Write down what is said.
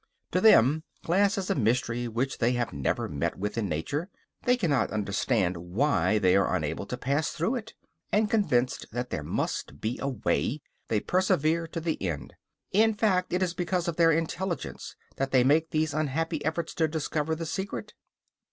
To them glass is a mystery which they have never met with in nature; they cannot understand why they are unable to pass through it, and convinced that there must be a way, they persevere to the end; in fact, it is because of their intelligence that they make these unhappy efforts to discover the secret.